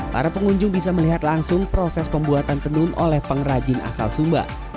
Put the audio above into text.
para pengunjung bisa melihat langsung proses pembuatan tenun oleh pengrajin asal sumba